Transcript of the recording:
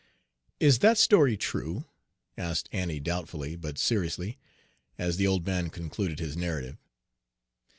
"Is that story true?" asked Annie doubtfully, but seriously, as the old man concluded his narrative.